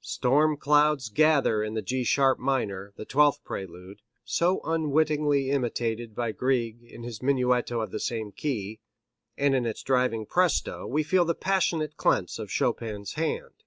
Storm clouds gather in the G sharp minor, the twelfth prelude, so unwittingly imitated by Grieg in his Menuetto of the same key, and in its driving presto we feel the passionate clench of Chopin's hand.